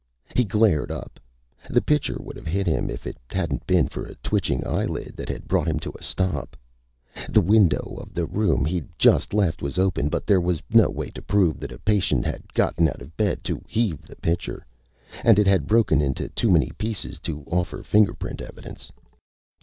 He glared up. The pitcher would have hit him if it hadn't been for a twitching eyelid that had brought him to a stop. The window of the room he'd just left was open, but there was no way to prove that a patient had gotten out of bed to heave the pitcher. And it had broken into too many pieces to offer fingerprint evidence.